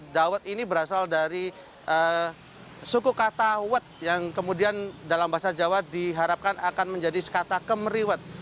dawet ini berasal dari suku kata wet yang kemudian dalam bahasa jawa diharapkan akan menjadi kata kemeriwet